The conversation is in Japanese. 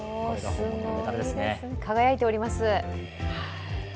すごい、輝いております。